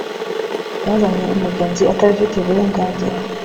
yazanye umugenzi atabifitiye uburenganzira.